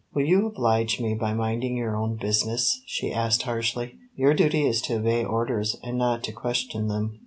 "Will you oblige me by minding your own business?" she asked harshly. "Your duty is to obey orders, and not to question them."